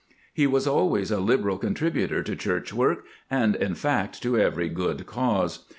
He was always a liberal contributor to church work, and in fact to every good cause.